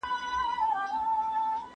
ماشومان په چټکۍ سره مېلمنو ته ورغلل.